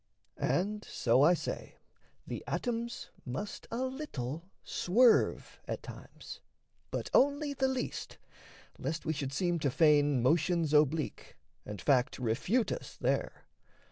And so I say, The atoms must a little swerve at times But only the least, lest we should seem to feign Motions oblique, and fact refute us there.